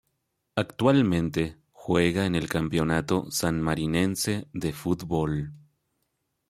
Actualmente juega en el Campeonato Sanmarinense de Fútbol.